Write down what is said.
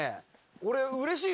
俺、うれしいよ。